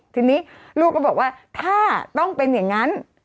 ทีนี้ลูกก็บอกว่าถ้าต้องเป็นอย่างนั้น